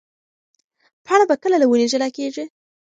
پاڼه به کله له ونې جلا کېږي؟